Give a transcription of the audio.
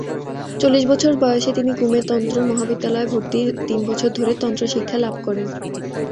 চল্লিশ বছর বয়সে তিনি গ্যুমে তন্ত্র মহাবিদ্যালয়ে ভর্তি তিন বছর ধরে তন্ত্র শিক্ষালাভ করেন।